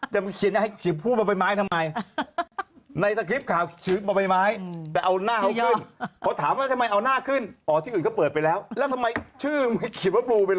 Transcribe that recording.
จำเป็นชื่อนี้ให้กูบ่ไบไม้ทำไม